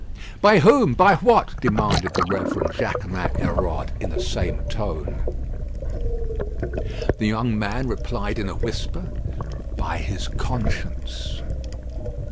"By whom? By what?" demanded the Reverend Jaquemin Hérode, in the same tone. The young man replied in a whisper, "By his conscience."